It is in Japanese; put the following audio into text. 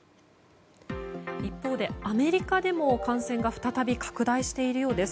一方でアメリカでも感染が再び拡大しているようです。